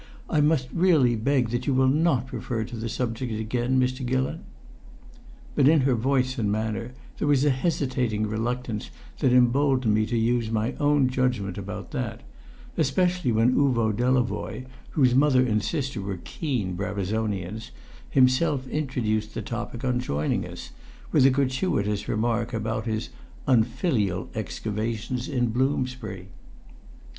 "I must really beg that you will not refer to the subject again, Mr. Gillon." But in her voice and manner there was a hesitating reluctance that emboldened me to use my own judgment about that, especially when Uvo Delavoye (whose mother and sister were keen Brabazonians) himself introduced the topic on joining us, with a gratuitous remark about his "unfilial excavations in Bloomsbury."